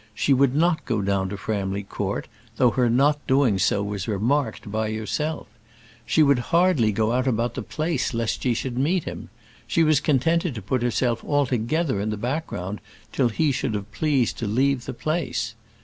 She would not go down to Framley Court, though her not doing so was remarked by yourself. She would hardly go out about the place lest she should meet him. She was contented to put herself altogether in the background till he should have pleased to leave the place.